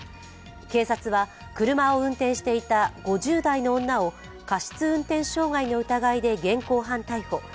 警察は、車を運転していた５０代の女を過失運転傷害の疑いで現行犯逮捕。